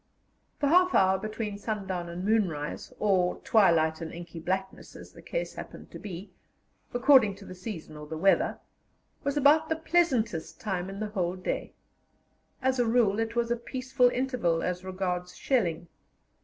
The half hour between sundown and moonrise, or twilight and inky blackness, as the case happened to be, according to the season or the weather, was about the pleasantest time in the whole day. As a rule it was a peaceful interval as regards shelling.